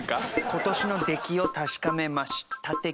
「今年の出来を確かめました」的な？